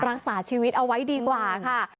รักษาชีวิตเอาไว้ดีกว่าค่ะ